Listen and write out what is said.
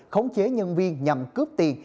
khống chế nhân viên nhằm cướp tiền